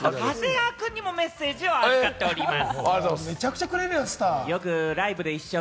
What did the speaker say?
なんか、長谷川くんにもメッセージを預かっています。